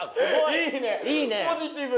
いいね！